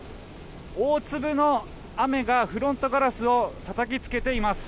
大粒の雨がフロントガラスにたたきつけています。